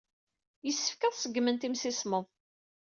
Yessefk ad ṣeggment imsismeḍ.